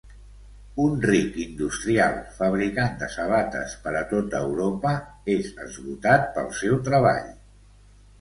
Un ric industrial, fabricant de sabates per a tota Europa, és esgotat pel seu treball.